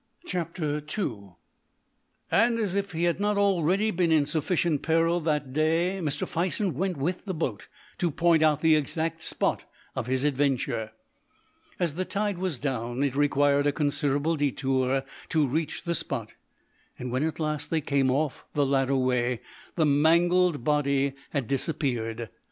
II And, as if he had not already been in sufficient peril that day, Mr. Fison went with the boat to point out the exact spot of his adventure. As the tide was down, it required a considerable detour to reach the spot, and when at last they came off the ladder way, the mangled body had disappeared.